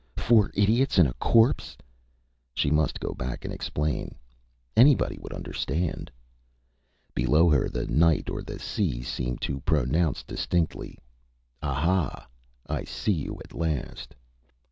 Four idiots and a corpse. She must go back and explain. Anybody would understand. ... Below her the night or the sea seemed to pronounce distinctly ÂAha! I see you at last!